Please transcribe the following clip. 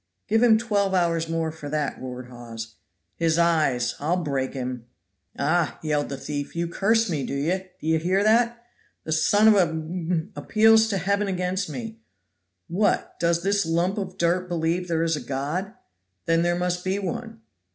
"Give him twelve hours more for that," roared Hawes. " his eyes, I'll break him, him." "Ah," yelled the thief, "you curse me, do you? d'ye hear that? The son of a appeals to Heaven against me! What? does this lump of dirt believe there is a God? Then there must be one."